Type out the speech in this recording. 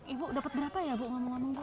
ibu dapat berapa ya bu ngomong ngomong bu